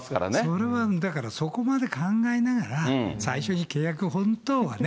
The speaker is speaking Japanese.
それは、だからそこまで考えながら最初に契約、本当はね。